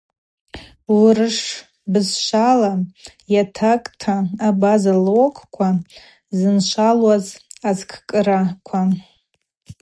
Урышв бызшвала йатакӏта абаза локӏква зыншвалыз азкӏкӏраква.